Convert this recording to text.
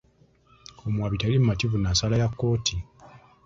Omuwaabi teyali mumativu na nsala ya kkooti.